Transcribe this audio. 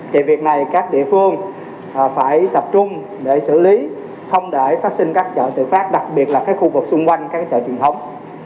thì việc này các địa phương phải tập trung để xử lý không để phát sinh các chợ tự phát đặc biệt là các khu vực xung quanh các chợ truyền thống